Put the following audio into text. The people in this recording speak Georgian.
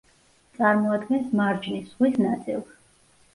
წარმოადგენს მარჯნის ზღვის ნაწილს.